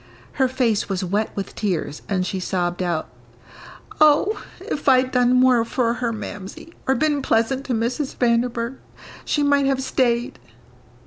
Her face was wet with tears, and she sobbed out, "Oh, if I'd done more for her, Mamsie, or been pleasant to Mrs. Vanderburgh, she might have stayed."